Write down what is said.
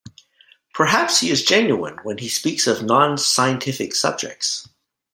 Perhaps he is genuine when he speaks of non-scientific subjects?